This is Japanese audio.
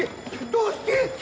どうして？